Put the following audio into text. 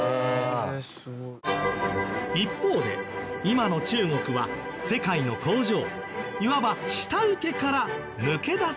一方で今の中国は世界の工場いわば下請けから抜け出そうとしています。